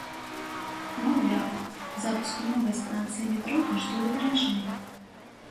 Маўляў, запуск новай станцыі метро каштуе даражэй.